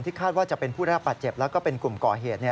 คาดว่าจะเป็นผู้ได้รับบาดเจ็บแล้วก็เป็นกลุ่มก่อเหตุ